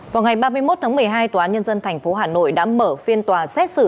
vào ngày ba mươi một tháng một mươi hai tòa án nhân dân tp hà nội đã mở phiên tòa xét xử